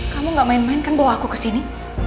kamu gak main main kan bawa aku ke sini